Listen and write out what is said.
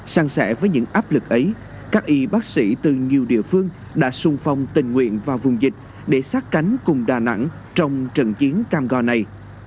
sang sẻ với những áp lực ấy các y bác sĩ từ nhiều địa phương đã sung phong tình nguyện vào vùng dịch để sát cánh cùng đà nẵng trong trận chiến cam go này